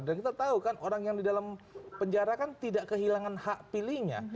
dan kita tahu kan orang yang di dalam penjara kan tidak kehilangan hak pilihnya